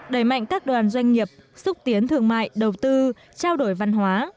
đẩy mạnh các đoàn doanh nghiệp xúc tiến thương mại đầu tư trao đổi văn hóa